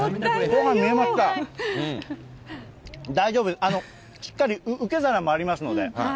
ごはん見えました、大丈夫、しっかり受け皿もありますので。